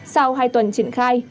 sau hai tuần triển khai